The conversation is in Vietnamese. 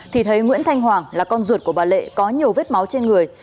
thì thấy nguyễn thanh hoàng là con ruột của bà lệ có nhiều vết máu trên người